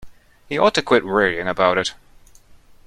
He ought to quit worrying about it.